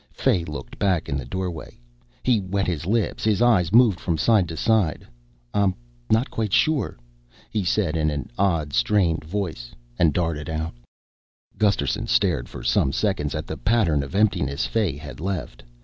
Fay looked back in the doorway. He wet his lips, his eyes moved from side to side. "I'm not quite sure," he said in an odd strained voice and darted out. Gusterson stared for some seconds at the pattern of emptiness Fay had left.